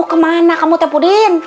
kalau begini mau kemana kamu teh pudin